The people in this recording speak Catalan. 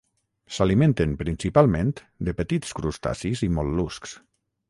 S'alimenten principalment de petits crustacis i mol·luscs.